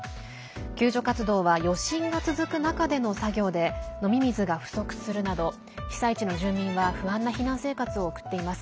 救助活動は余震が続く中での作業で飲み水が不足するなど被災地の住民は不安な避難生活を送っています。